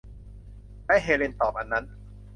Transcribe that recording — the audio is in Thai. และเฮเลนตอบ อันนั้น